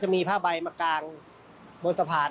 จุดนัดครบ